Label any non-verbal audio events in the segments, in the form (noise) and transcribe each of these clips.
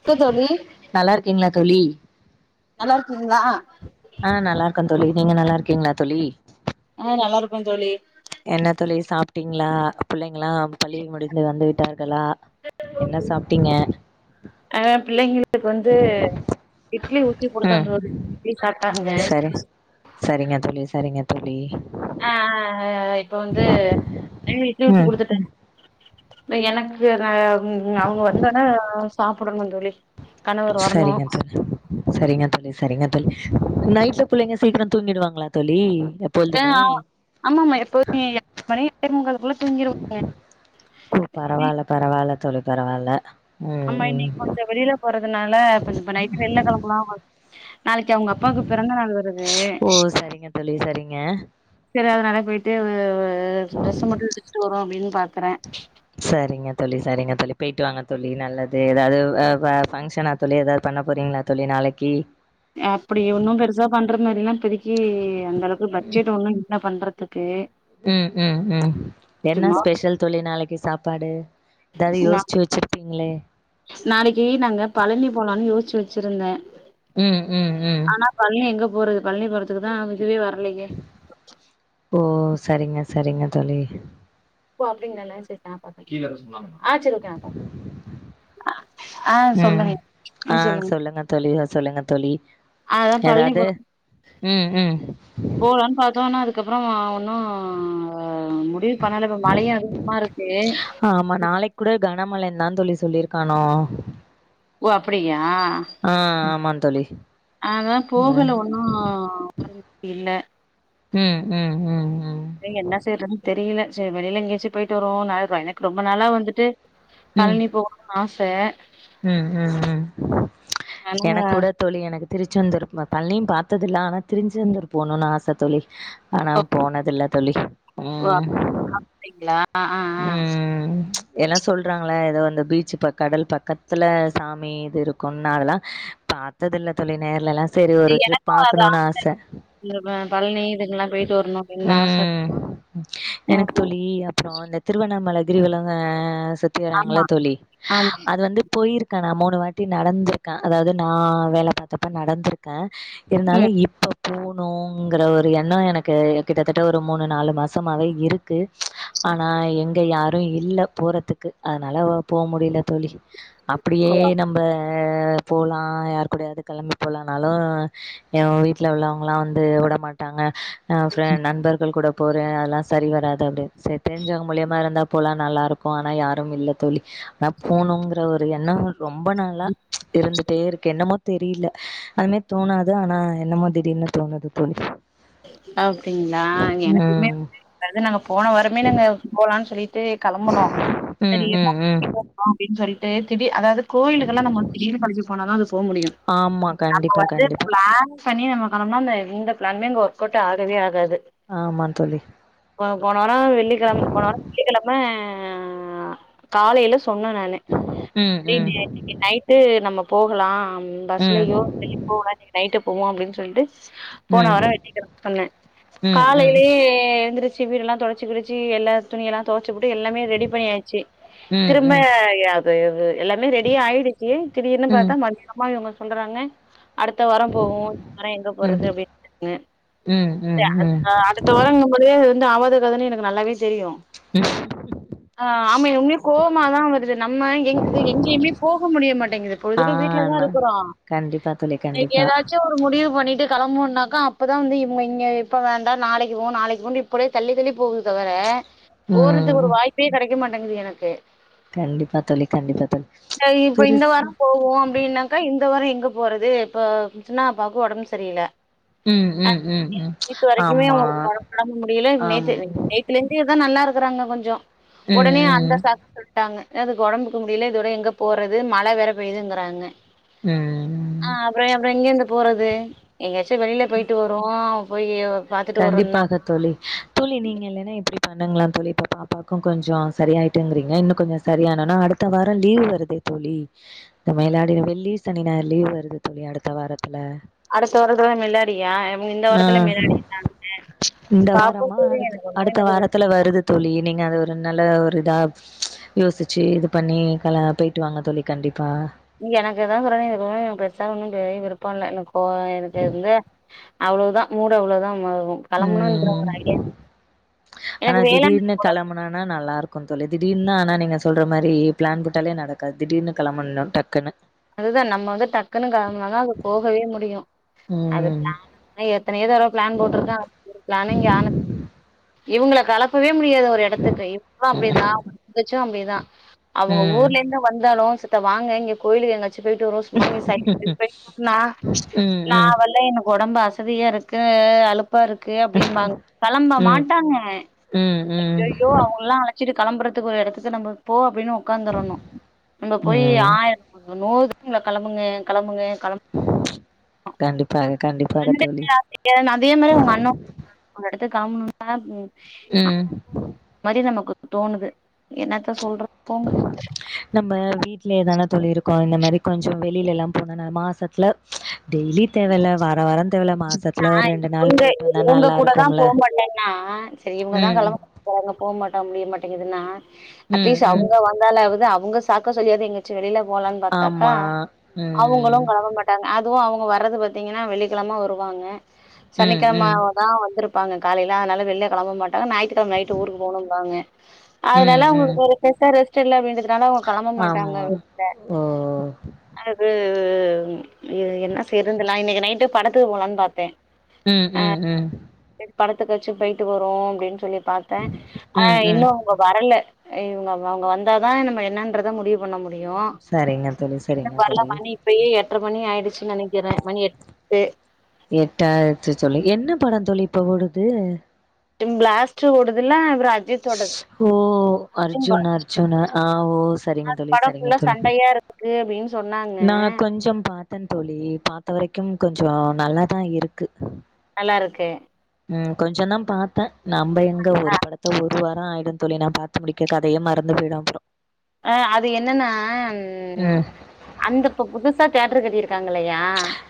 இருக்கே தோழி நல்லா இருக்கீங்களா தோழி நல்லா இருக்குதுங்களா அ நல்லா இருக்கே தோழி நீங்க நல்லா இருக்கீங்களா தோழி அ நல்லா இருக்கே தோழி என்ன தோழி சாப்ட்டீங்களா பிள்ளைங்களா பள்ளி முடிந்து வந்து விட்டார்களா என்ன சாப்ட்டீங்க அ பிள்ளைங்க இதுக்கு வந்து இட்லி ஊத்தி குடுத்த ம் ப்ரோ இட்லி சாப்ட்டாங்க சரி சரிங்க தோழி சரிங்க தோழி அ அ இப்ப வந்து (unintelligible) விட்டு ம் குடுத்துட்டேன் எனக்கு அ அவங்க வந்தாதா சாப்டனு தோழி கணவர் வரணு செரிங்க தோழி செரிங்க தோழி செரிங்க தோழி நைட்ல பிள்ளைங்க சீக்கிர தூங்கிடுவாங்களா தோழி எப்பொழுதுமே ஆமாமமா எப்போதுமே எட்டு மணி எட்டே முக்காலக்குள்ள தூங்கிருவாய்ங்க ஓ பரவால்ல பரவால்ல தோழி பரவால்ல ம் ஆமா ம் இன்னைக்கு கொஞ்சோ வெளியில போறதுனால கொஞ்சோ இப்ப நைட்டு வெளில கெழம்பலா நாளைக்கு அவங்க அப்பாக்கு பெறந்த நாள் வருது ஓ சரிங்க தோழி சரிங்க சரி அததுனால போயிட்டு டிரெஸ்ஸு மட்டு (unintelligible) வருவோ அப்டின்னு பாக்குறே செரிங்க தோழி செரிங்க தோழி பேய்ட்டு வாங்க தோழி நல்லது எதாவ்து அ வ ஃபங்ஷனா தோழி எதாவ்து பண்ண போறீங்ளா தோழி நாளக்கி அப்டி ஒன்னு பெரு சா பண்ற மாரிலா இப்பதிக்கி அந்தளக்கு பட்ஜெட் ஒன்னு இல்ல பண்றதுக்கு ம் ம் ம் என்ன சும்மா ஸ்பெஷல் தோழி நாளக்கி சாப்பாடு எதாவ்து யோச்சு வச்சிருப்பீங்ளே நாளக்கி நாங்க பழனி போலான் யோச்சு வச்சிருந்தே ம் ம் ம் பழ்னி எங்க போறது பழ்னி போறதுக்குதா இதுவே வர்லயே ஓ சரிங்க சரிங்க தோழி ஓ அப்படிங்க அண்ணா சரி நா பாத்துக்குர ஆ சரி ஓகே நா பாத் ஆ ம் சொல்லுங்க ஆ சொல்லுங்க தோழி சொல்லுங்க தோழி அதா பழனி எதாது ம் ம் போலான் பாத்தோ ஆனா அதுக்கப்றோ ஒன்னு முடிவு பண்ணல ப்ப மழயாரு ஆமா நாளைக் கூட கனமழைந்தா தோழி சொல்லிருக்கானோ ஓ அப்பிடியா தோழி அதா அ. போகல ஒன்னு (inaudible) இல்ல ம் ம் ம் ம் என்ன செய்றன் தெரில சேர் வெளில எங்கயாச்சு போய்ட்டு வருவோ நா ர எனக்கு ரொம்ப நாளா வந்துட்டு ம் பழனி போகனுன் ஆச ம் ம் ம் ஆனா எனக்கூட தோழி எனக்கு திருச்செந்தூர் பழ்னியு பாத்ததில்ல ஆனா திருச்செந்தூர் போனுன் ஆச தோழி ஆனா ஓ போனதில்ல தோழி ஓ ம் அப் அப்டிங்ளா ஆ ஆ ம் எல்லா சொல்றாங்ள எதோ அந்த பீச்சு ப கடல் பக்க த்துல சாமி இது இருக்குன்னா அதல்லா பாத்ததில்ல தோழி நேர்லல்லா சேரி ஒரு ட்ரிப் எனக்கு அது பாக்கனுன் ஆச இந்த ப பழ்னி இதுங்கல்லா போய்ட்டு வர்னு அப்டின் ஆச ம். தா அப்றோ இந்த திருவண்ணாமல கிரிவலோங்க சுத்தி வராங்கள ஆமா தோழி ஆமா அது வந்து போய்ருக்கே நா மூனு வாட்டி நடந்திருக்கே அதாவ்து நா வேல பாத்தப்ப நடந்திருக்கே இருந்தாலு ம் இப்போ போனுங்கற ஒரு எண்ணோ எனக்கு கிட்டத்தட்ட ஒரு மூனு நாலு மாசமாவே இரு க்கு ஆனா எங்க யாரு இல்ல போறதுக்கு ஆனால போ முடில தோழி அப்பிடியே ஓ நம்ப போலா யார் கூடயாது கெளம்பி போலானாலு எ வீட்ல உள்ளவங்ளா வந்து வுட மாட்டாங்க ஆ ஃப்ரெ நண்பர்கள் கூட போறே அல்லா சரி வராது அப்டின் சே தெரிஞ்சோங்க மூலியமா இருந்தா போலா நல்லாருக்கு ஆனா யாரும் இல்ல தோழி நா போனுங்கற ஒரு எண்ணங்கள் ரொம்ப நாளா இருந்துட்டேரு க்கு என்னமோ தெரில அதுமே தோனாது ஆனா என்னமோ திடீர்னு தோனுது தோழி அப்டிங்ளா எனக்குமே ம் வந்து இந்தது நாங்க போன வாரமே நாங்க போலான் சொல்லி ட்டு களம்புனோ ம் செரி (inaudible) ம் ம் அப்டின் சொல்ட்டு திடீ அதாவ்து கோயிலுக்கள்லா நம்ம வந்து திடீர்னு களம்பி போனா தா அது போ முடியு ஆமா நம்ப கண்டிப்பா வந்து கண்டிப்பா பிளான் பண்ணி நம்ம கெளம்னா வேற எந்த பிளான்மே அங்க ஒர்க்கவுட்டு ஆகவே ஆகாது ஆமா தோழி போ போன வாரம் வெள்ளிக்கெழம் போன வாரம் வெள்ளிக்கெழம காலையில சொன்ன நானு (inaudible) ம் ம் இன்னைக்கு நைட்டு நம்ம போகலாம் பஸ்லயோ ம் போவோம் இன்னிக்கி நைட்டு போவம் அப்டின் சொல்ட்டு போன ம் வாரம் வெள்ளிக்கெழம சொன்ன ம் ம் காலையிலயே து எழுந்தருச்சு வீடுல்லா தொடச்சி கிடச்சி எல்லா துணியெல்லா துவச்சுபுட்டு எல்லாமே ரெடி பண்ணியாயிச்சு ம் திரும்ப ம் எப் எல்லாமே ரெடியா ஆயிடுச்சு திடீர்னு ம் ம் பாத்தா மதியமா இவுங்க சொல்றாங்க அடுத்த வாரம் போவோம் இந்த வாரம் எங்க போறது அப்டின் (inaudible) க ம் ம் ம் ம் அடுத்த வாரங்கம்போதே இது வந்து ஆவாத கதன்னு எனக்கு நல்லாவே தெரியும் ம் ஆ ஆமா இன்மே கோவமாதா வருது நம்ம எ இது எங்கேயுமே போக முடிய மாட்டேங்குது ஆ பொழுதுக்கும் வீட்ல தா நா இருக்குறோ கண்டிப்பா தோழி கண்டிப்பா இப்ப முடிவு பண்ணிட்டு கெளம்புனாக்கா இப்பதா வந்து இவங்க இங்க இப்ப வேண்டா நாளைக்கு போவோம் நாளைக்கு போவோம் இப்பவே தள்ளி தள்ளி போகுது தவர போறது ம் ஒரு வாய்ப்பே கெடைக்க மாட்டேங்குது எனக்கு கண்டிப்பா தோழி கண்டிப்பா தோழி பெருசு போவோம் அப்டின்னாக்கா இந்த வாரம் எங்க போறது இப்ப சின்னா பாக்கு ஒடம்பு சரியில ம் ம் ம் ம் இப்ப வரைக்குமே ஆமா அவுங்களுக்கு ஒடம்பு ஃபுல்லா முடியல ஆம் நேத்து நேத்திலந்துதா நல்லா இருக்கறாங்க கொஞ்சம் ஒடனே ம் அந்த ம் சாக் ட்டாங்க அதுக் ஒடம்புக்கு முடியல இதோட எங்க போறது மழ வேற பெய்துங்கறாங்க ம் அ அப்றம் அப்றம் எங்க இருந்து போறது எங்கயாச்சும் வெளியில போயிட்டு வருவோம் போய்யி கண்டிப்பாக தோழி தோழி நீங்க இல்லேனா இப்டி பண்ணுங்களே தோழி இப்போ பாப்பாவுக்கும் கொஞ்சம் சரியாயிட்டுங்கிறீங்க இன்னும் கொஞ்சம் சரியானன்னா அடுத் த்த வாரம் லீவ் வருதே தோழி இந்த மிலாடி வெள்ளி சனி ஞாயிறு லீவ் வருது தோழி அடுத்த வாரத்துல அடுத்த வாரத்துல மிலாடியா இவங்க இந்த ஆ வாரத்துல மிலாடினு (inaudible) இந்த வாரமா அடுத்த அடுத்த வி- வாரத்துல வருது தோழி நீங்க அது ஒரு நல்ல ஒரு இதா யோசிச்சு இது பண்ணி கல போயிட்டு வாங்க தோழி கண்டிப்பா எனக்குதாங்கற எதுவுமே பெருசா ஒன்னும் பெரிய விருப்பம் இல எனக்கோ எனக்கு இருந்து அவ்ளோ தா மூடு அவ்ளோ தா கெளம்பணும்ன்ற ம் ஒரு ஐடியா ஆனா எனக்கு வேளாண் திடீர்னு கெளம்பனனா நல்லாருக் கும் தோழி திடீர்னு ஆனா நீங்க சொல்ற மாரி பிளான் போட்டாலே நடக்காது திடீர்னு கெளம்பன்ணு டக்குன்னு அதுதா நம்ம வந்து டக்குன்னு கெளம்புனாதா அது போகவே முடியும் அது ம் பிளான் (inaudible) நா எத்தனையோ தடவ பிளான் போட்ருக்க ஒரு பிளானையும் காணு இவங்கள களப்பவே முடியாது ஒரு எடத்துக்கு இவ்ளு அப்டிதா அவ ம் தங்கச்சும் அப்டிதா அவங்க ம் ஊர்ல இர்ந்து வந்தாலும் அத்த வாங்க இங்க கோயிலுக்கு எதுனாச் ச்சி போயிட்டு வருவோம் சும்மா இங்க சைட் (inaudible) நா ம் நா ம் வர்ல எனக்கு ஒடம்பு அச தியா இருக்கு அலுப் பா இருக்கு அப்டிம்பாங்க கெளம்ப ம் மாட்டாங்க ம் அய்யய்யோ அவங்கள்லா அழ ச்சிட்டு கெளம்புறதுக்கு ஒரு எடத்துக்கு நம்போ போ அப்டின்னு உக்காந்துரணும் நம்ப போய் ம் ஆயிர் அங்க நோவ்துக்கு கெளம்புங்க கெளம்புங்க கெளம் கண்டிப்பாக கண்டிப்பாக தோழி தென் அதே மாரி உங்க அண்ணா ஒரு எடத்துக் கிளம்பணுனா ம் அ ம் மாரி நமக்கு தோணுது என்னத்த சொல்றது போங்க நம்ம வீட்லேதான தோழி இருக்கோ இந்த மாரி கொஞ்சோ வெளிலெல்லா போனனா மாசத்ல டெய்லி தேவெல்ல வார வாரந் தேவெல்ல மாசத்துல ஒர் ரெண்டு நாள் போய்ட்டு வந்தா கூட நல்லாருக்கு நா போமாட்டேன்னா செரி இவங்க தா களம்ப செலவங்க போ மாட்டோ முடிய மாட்டேங்கிதுன்னா ம். அட்லீஸ்ட் ம். அவுங்க வ ந்தாலாவது அவுங்க சாக்க சொல்லியாது எங்கயாச்சுமன வெளில போலான் பாத்தாக்கா ஆமா. அவுங்களு ம். களம்பமாட் டாங்க அதுவு அவுங்க வர்றது பாத்தீங்கன்னா வெள்ளிக்கெழம வருவாங்க ம். சனிக்கெழம ம். தா வந்துருப்பங்க காலையில அனால வெள்ள கெளம்ப மாட்டாங்க ஞாயித்துகெழம நைட்டு ஊருக்கு போனும்பாங்க அதனால ம். ம். அவுங்களுக்கு ஒரு ஃபெர்ஸா ரெஸ்டெல்ல வேஞ்சதுனால அவுங் களம்ப மாட்டாங்க ஆமா. வெளில ஓ! அது இது என்ன செய்றதுன் தெர்ல இன்னைக்கு நைட்டு படத்துக்கு போலான் பாத்தே ம் ம் ம் செரி படத்துக்காச்சு போயிட்டு வருவோ அப்டின் சொல்லி பாத்தே ஆனா ம். இன்னு ம். அவுங்க வரல அ இவுங்க அவுங்க வந்தாதா நம்ம என்னன்றத முடிவு பண்ண முடியு சரிங்க தோழி இன்னு சரிங்க வரல தோழி மணி இப்பயே எட்ர மணி ஆயிடுச்சு நெனைக்கிறே மணி எட்டு எட்டாய்ட்ச்சு தோழி என்ன படோ தோழி இப்ப ஓடுது பிளாஸ்ட்டு ஓடுதுல்ல அப்பற ஓ அர்ஜுன் அர்ஜுன்னு ஆ ஓ சரிங்க தோழி படோ சரிங்க ஃபுல்லா தோழி சண்டையா இருக்கு அப்டின்னு சொன்னாங்க நா கொஞ்சம் பாத் தந் தோழி பாத்த வரைக்கும் கொஞ்சோ நல்லாதா இருக்கு நல்லா இருக்கு ம் கொஞ்சந்தா பாத்தே நம்ப எங்க ஒரு படத்த ஒரு ஒரு வாரோ ஆயிடுந் தோழி நா பாத்து முடிக்க கதையே மறந்து போயிடு அப்பறோ ஆ அது என்னன்னா ம் அந்த இப்ப புதுசா தேட்டரு கட்டிருக்காங்கில்லையா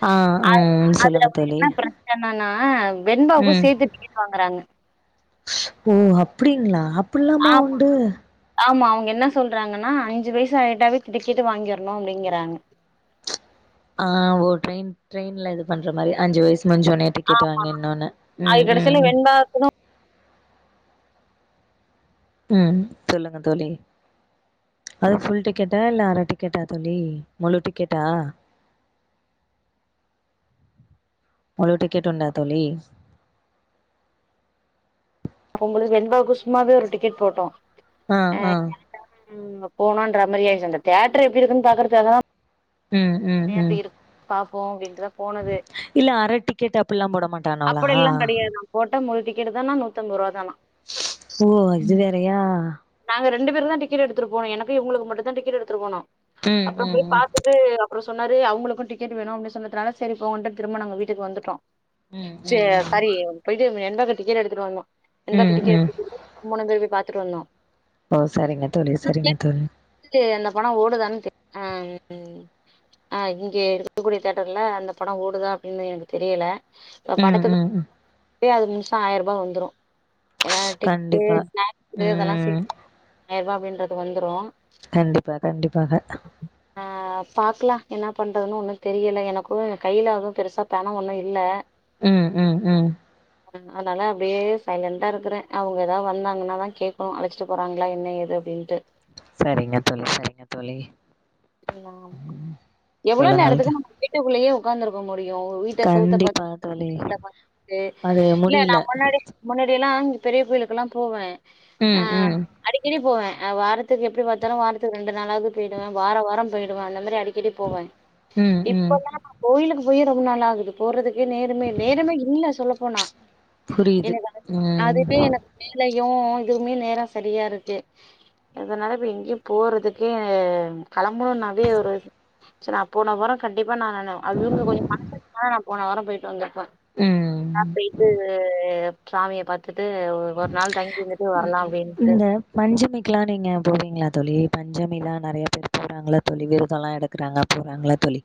ஆ அ ம் அதுல சொல்லுங்க ஒரு தோழி. என்ன ப்ரெச்சனனா வெண்பாவுக்கு ம் சேத்து டிக்கெட் வாங்கறாங்க ஓ அப்டிங்ளா அப்பில்லாமா ஆமா உண்டு ஆமா அவுங்க என்ன சொல்றாங்கன்னா அஞ்சு வயசு ஆயிட்டாவே டிக்கெட்டு வாங்கிர்ணு அப்டிங்கறாங்க ஆ ஓர் ட்ரெய்ம் ட்ரெயின்ல இது பண்ற மாரி அஞ்சு வயசு முஞ்ச ஒன்னே டிக்கெட் ஆமா வாங்கின்னுனு ம் அது கடைசில ம் வெண்பா ம் சொல்லுங்க தோழி அது ஃபுல் டிக்கெட்டா இல்ல அர டிக்கெட்டா தோழி முழு டிக்கெட்டா முழு டிக்கெட் உண்டா தோழி அவுங்களு வெண்பாவுக்கு சும்மாவே ஒரு டிக்கெட் போட்டோ ஆ ஆ (unintelligible) போனுன்ற மாரியாயிர்ச்சு அந்த தேட்ரு எப்டி இருக்குனு பாக்குறக்காகதா ம் ம் (unintelligible) எப்டி ம் இரு பாப்போ அப்டின்ட்டுதா போனது இல்ல அர டிக்கெட் அப்பில்லா போட மாட்டானுவளா அப்படில்லா கெடையாதா போட்ட முழுடிக்கெட்டுதானா நூத்தம்பருவா தானா ஓ இது வேறயா நாங்க ரெண்டு பேருக்குதா டிக்கெட் எடுத்துட்டு போனோ எனக்கு இவுங்களுக்கு மட்டுதா டிக்கெ் எடுத்துட்டு போனோ ம் அப்புறம் போய் ம் ம் பாத்துட் டு அப்புறோ சொன்னாரு அவுங்களுக்கு டிக்கெட் வேணு அப்டி சொன்னதுனால செரி போங்கன்டு திரும்ப நாங்க வீட்டுக்கு வந்துட்டோ ம் ச ம் ம் பரி போயிட்டோ மெண்டு அப்புறம் டிக்கெட் எடுத்துட்டு வாந்தோம் எந்தக்கு ம் டிக்கெட் ம் எடுத்து மூணு திருபி பாத்துட்டு வந்தோம் ஓ சரிங்க தோழி சரிங்க தோழி க்கு அந்த படம் ஓடுதான்னு தெ ஆ ஆ இங்கே இருக்கக்கூடிய தேட்டர்ல அந்த படம் ஓடுதா அப்டின்னு எனக்கு தெரியல இப்ப ம் ம் ம் படத்துக்கு அது முழுச ஆயிரம் ரூபா வந்துரு ஏன்ன கண்டிப்பா டிக்கெட் ஸ்னாக்ஸு இதெல்லாம் ம் சேர்த்து ஆயரூபா அப்டின்றது வந்துரும் கண்டிப்பா கண்டிப்பாக ஆ பாக்கலா என்ன பண்றதுன்னு ஒண்ணும் தெரியல எனக்கும் கையில அதுவும் பெருசா பணம் ஒண்ணு இல்ல ம் ம் ம் அதனால அப்டியே சைலண்டா இருக்கிறேன் அவங்க ஏதாவது வந்தாங்கன்னா தான் கேட்கனும் அழச்சி போறாங்களா என்ன ஏது அப்டியின்டு சேரிங்க தோழி சேரிங்க தோழி சொல்லுங்கள் வீட்டுக்குள்ளயும் உட்காந்துருக்க முடியும் வீட்ட செவத்த பாத்து கண்டிப்பா வீட்ல தோழி உட்காந்து பிள்ளைங்க பாத்துட்டு அது இல்ல முடியில நான் முன்னாடி முன்னாடிய எல்லா அங்க பெரிய கோயிலுக்கு எல்லா போவேன் ம் ம் அடிக்கடி போவேன் வாரத்துக்கு எப்டி பாத்தாலும் வாரத்துக்கு ரெண்டு நாளாவது போயிடுவேன் வாரம் வாரம் பொயிடுவே அந்த மாரி அடிக் அடிக்கடி போவோன் ம் ம் இப்ப தான் நா கோயிலுக்கு போய் ரொம்ப நாள் ஆகுது போறதுக் நேர்மையே நேரமே இல்ல சொல்லப்போனா புரியுது எனக்கு ம் அதுவே எனக்கு வேலையும் இதுவுமே நேரம் சரியா இருக்கு அதனால இப்ப எங்கேயும் போறதுக்கு கிளம்பணும் நாளே ஒரு இது சேரி நான் போன வரம் கண்டிப்பா நான் அவங்க கொஞ்ச பணம் இருந்துச்சி நான் போன வாரம் போயிட்டு வந்தோன் ம் போயிட்டு சாமிய பத்துட்டு ஒரு நாள் தங்கி இருந்து ம் இந்த பஞ்சமிக்கு எல்லா நீங்க போவீங்களா தோழி பஞ்சமி எல்லா நெறைய பேர் போறாங்களா தோழி விருதம் எல்லாம் எடுத்து இருக்கிறாங்க போறாங்களா தோழி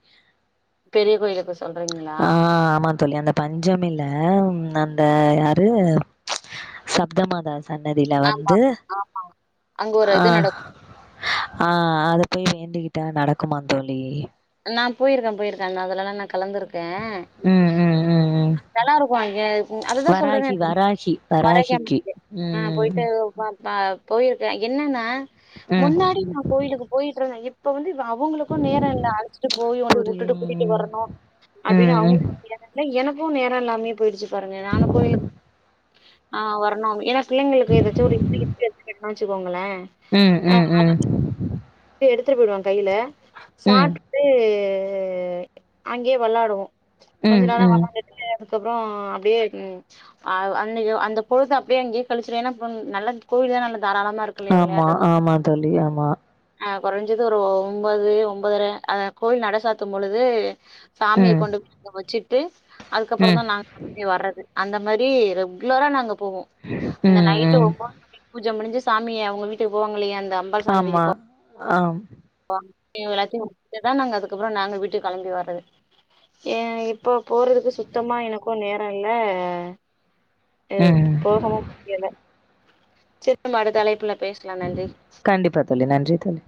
பெரிய கோயிலுக்கு சொல்ர்ங்களா ஆ ஆமா தோழி அந்த பஞ்சமியிலே அந்த யாரு சப்தமாதா சன்னதியில ஆமா வந்து ஆ அங்க ஒரு ஆ இது நடக்கும் ஆ அது போயி வேண்டிக்கிட்டா நடக்குமா தோழி நான் போயிருக்கேன் போயிருக்கேன் நான் அது எல்லா நான் கலந்துருக்கேன் ம் ம் ம் ம். நல்ல இருக்கும் அங்க அதுதான் வராகி சொல்றேன் வராகி ஆரோக்கியம் வராகிக்கு. இன்டு ஆ ம், பொய்ட்டு போயிருக்கேன் என்னன்னா ம். முன்னாடி நான் கோயிலுக்கு போயிட்டு இருந்தேன் இப்ப வந்து அவங்களுக்கும் நேரம் இல்ல அழச்சிட்டு போய் வுட்டுட்டு கூட்டிட்டு புரியும். வரணும் அப்டின்னு ம், ம். அவங்களுக் எனக்கும் நேர எல்லாமே போயிடுச்சு பாருங்க நானு கோயிலுக்கு ஆ வரணும் ஏனா பிள்ளை களுக்கு ஏதாச்சு ஒரு இட்லி கெட்டி வெச்சுக்கோங்களேன் ம் ம் ம் எடுத்துட்டு போயிடுவான் கையில ம், சாப்பிட்டு அங்கேயே வெளையாடுவோ கொஞ்ச ம், நேர ம். வெளன்ட்டு அதுக்கு அப்றோ அப்டியே அ அன் அந்த பொழுத அப்டியே அங்கயே கழிச்சிட்டனா என்ன பன் நல்ல கோவில நல்ல தாராளமா இருக்கும் ஆமா ஆமா தோழி ஆமா அ கொறஞ்சது ஒரு ஒன்பது ஒன்பதுர அ கோவில் நட சாத்தும் பொழுது சாமிய ம். கொண்டு போயி அங்க வெச்சிட்டு அதுக்கு அதுகப்புறோ ம். தா நாங்க திரும்பி வர்றது அந்த மாரி ரெகுலரா நாங்க போவோ இந்த ம், நைட்டு போயிட்டு ம். ஒம்போது மணி பூஜ முடிஞ்சி சாமிய அவுங்க வீட்டுக்கு போவாங்க இல்லையா அந்த அம் ஆமா ஆம் போவாங் எல்லாத்தையு முடிச்சிட்டுதா நாங்க அதுக்கு அப்றோ நாங்க வீட்டு கெளம்பி வர்றது ஏ இப்போ போறதுக்கு சுத்தமா எனக்கு நேரோ இல்ல ஏ ம். போகவு முடியல சித்தமருத்து தலைப்புல லபேசலாம் நன்றி கண்டிப்பா தோழி நன்றி தோழி